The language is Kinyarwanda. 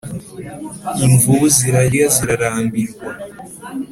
Imvubu zirarya zirarambirwa